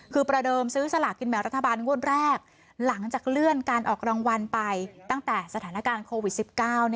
คือประเดิมซื้อสลากกินแบ่งรัฐบาลงวดแรกหลังจากเลื่อนการออกรางวัลไปตั้งแต่สถานการณ์โควิด๑๙